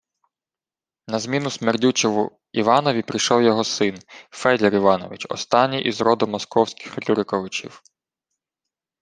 На зміну «смердючому» Іванові прийшов його син – Федір Іванович, останній із роду московських Рюриковичів